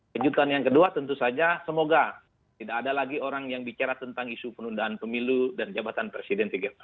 kejutan yang kedua tentu saja semoga tidak ada lagi orang yang bicara tentang isu penundaan pemilu dan jabatan presiden tgpf